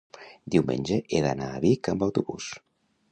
diumenge he d'anar a Vic amb autobús.